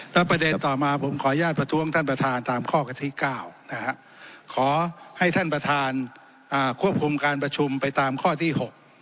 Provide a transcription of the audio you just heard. แล้วประเด็นต่อมาผมขออนุญาตประท้วงท่านประธานตามข้อกันที่๙ขอให้ท่านประธานควบคุมการประชุมไปตามข้อที่๖